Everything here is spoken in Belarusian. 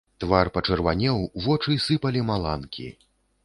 Твар пачырванеў, вочы сыпалі маланкі.